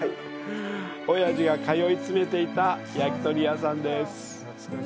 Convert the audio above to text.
おやじが通い詰めていた焼き鳥屋さんです。